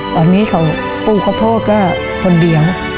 ตอนนี้เขาปลูกข้าวโพดก็คนเดียว